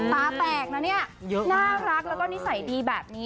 ตาแปลกนะเนี้ยเยอะมากน่ารักแล้วก็นิสัยดีแบบนี้